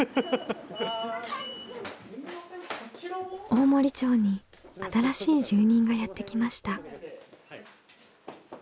大森町に新しい住人がやって来ました。